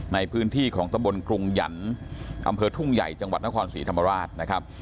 ในพื้นที่ของตะบนกรุงหยันต์อำเภอทุ่งใหญ่จังหวัดนครศรีธรรมราชนะครับ